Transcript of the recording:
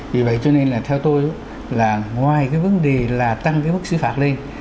vì vậy cho nên là theo tôi là ngoài cái vấn đề là tăng cái mức xứ phạt lên